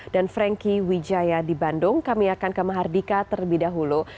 dan frankie wijaya di bandung kami akan ke mahardika terlebih dahulu